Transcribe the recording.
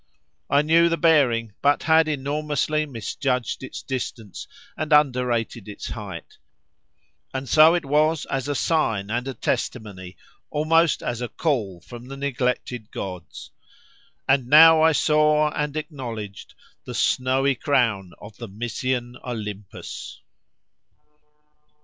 I knew the bearing, but had enormously misjudged its distance and underrated its height, and so it was as a sign and a testimony, almost as a call from the neglected gods, and now I saw and acknowledged the snowy crown of the Mysian Olympus!